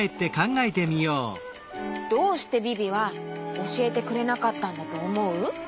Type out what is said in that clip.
どうしてビビはおしえてくれなかったんだとおもう？